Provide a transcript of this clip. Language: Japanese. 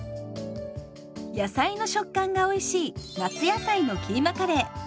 野菜の食感がおいしい「夏野菜のキーマカレー」。